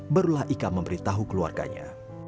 berulah ika memberitahu keluarganya